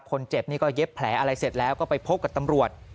คนเจ็บนี่ก็เย็บแผลอะไรเสร็จแล้วก็ไปพบกับตำรวจ